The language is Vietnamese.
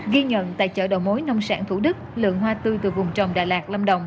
ghi nhận tại chợ đầu mối nông sản thủ đức lượng hoa tươi từ vùng trồng đà lạt lâm đồng